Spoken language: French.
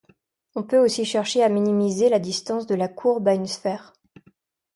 On peut aussi chercher à minimiser la distance de la courbe à une sphère.